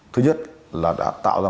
thứ nhất là đã tạo ra